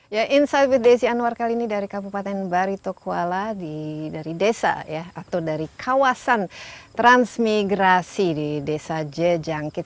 ya insight vtc anwar kali ini dari kabupaten barito kuala dari desa atau dari kawasan transmigrasi di desa jejangkit